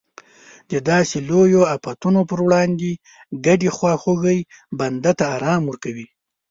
د داسې لویو افتونو پر وړاندې ګډې خواخوږۍ بنده ته ارام ورکوي.